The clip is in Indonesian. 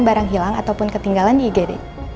barang hilang ataupun ketinggalan igd